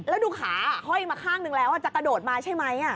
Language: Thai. แล้วดูขาห้อยมาข้างนึงแล้วจะกระโดดมาใช่ไหม